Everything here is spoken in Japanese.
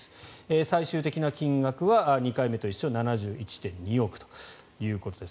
最終的な金額は２回目と一緒で７１．２億ということです。